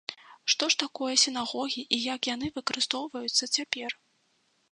Што ж такое сінагогі і як яны выкарыстоўваюцца цяпер?